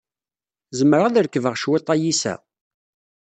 Zemreɣ ad rekbeɣ cwiṭ ayis-a?